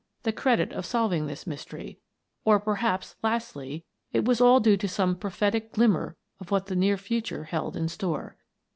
the credit of solving this mystery, or perhaps, lastly, it was all due to some prophetic glimmer of what the near future held in store.